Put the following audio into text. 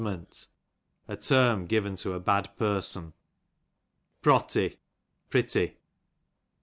Powsement, a term given to a bad person. Protty, pretty.